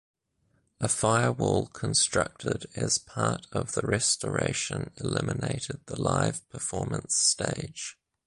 A firewall constructed as part of the restoration eliminated the live performance stage.